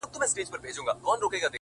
o زه به د ميني يوه در زده کړم،